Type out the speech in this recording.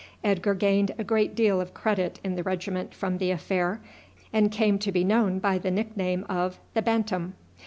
Edgar gained a great deal of credit in the regiment from the affair, and came to be known by the nickname of "The Bantam."